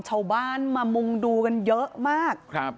ชาวบ้านมามุงดูกันเยอะมาก